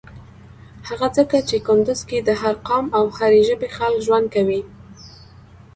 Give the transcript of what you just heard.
هغه ځکه چی کندوز کی د هر قام او هری ژبی خلک ژوند کویی.